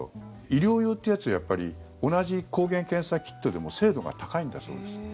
医療用ってやつは同じ抗原検査キットでも精度が高いんだそうです。